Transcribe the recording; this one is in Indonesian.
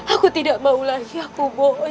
aku tidak mau lagi aku